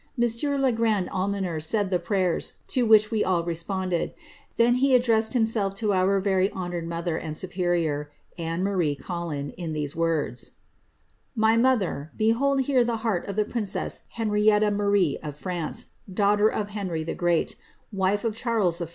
Monsieur It grande almoner said the prayers, to which we all responded ; then he addressed himself to our very honoured mother and superior, Anne Marie Cauiin, in these terras :—^^^ My mother, behold here the heart of the princess Henrietta Marie, of France, daughter of Henry the Great, wife of Cliarles I.